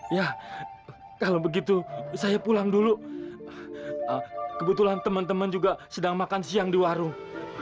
iya kalo begitu saya pulang dulu kebetulan temen temen juga sedang makan siang di warung